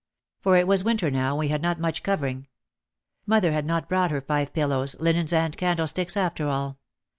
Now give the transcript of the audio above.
For it was win ter now and we had not much covering. Mother had not brought her five pillows, linens and candlesticks after all.